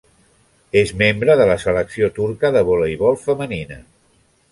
És membre de la selecció turca de voleibol femenina.